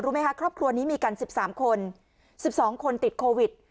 ไหมคะครอบครัวนี้มีกัน๑๓คน๑๒คนติดโควิด